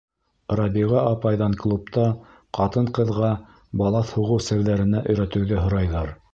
Рабиға апайҙан клубта ҡатын-ҡыҙға балаҫ һуғыу серҙәренә өйрәтеүҙе һорайҙар.